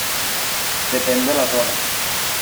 Depèn de la zona.